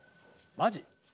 マジ？」